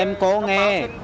em có nghe